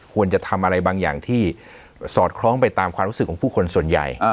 ควรจะทำอะไรบางอย่างที่สอดคล้องไปตามความรู้สึกของผู้คนส่วนใหญ่